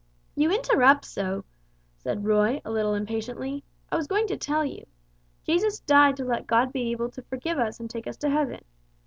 "You interrupt so," said Roy, a little impatiently. "I was going to tell you. Jesus died to let God be able to forgive us and take us to heaven.